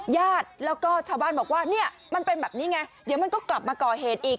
ญาติแล้วก็ชาวบ้านบอกว่าเนี่ยมันเป็นแบบนี้ไงเดี๋ยวมันก็กลับมาก่อเหตุอีก